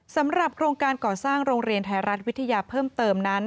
สำหรับโครงการก่อสร้างโรงเรียนไทยรัฐวิทยาเพิ่มเติมนั้น